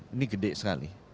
ini gede sekali